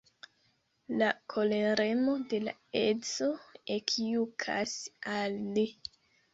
La koleremo de la edzo ekjukas al li.